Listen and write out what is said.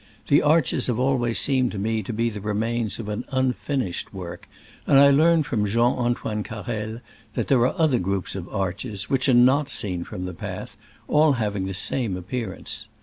The arches have al ways seemed to me to be the remains of an unfinished work, and I learn from Jean Antoine Carrel that there are other groups of arches, which are not seen from the path, all having the same ap pearance.